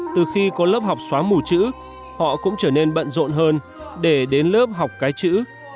từ khi có lớp học xóa mù chữ họ cũng trở nên bận rộn hơn để đến lớp học cái chữ